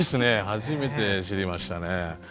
初めて知りましたね。